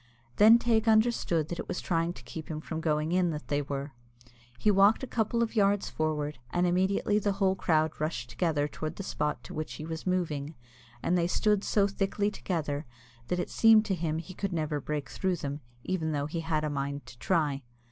Then Teig understood that it was trying to keep him from going in, that they were. He walked a couple of yards forwards, and immediately the whole crowd rushed together towards the spot to which he was moving, and they stood so thickly together that it seemed to him that he never could break through them, even though he had a mind to try.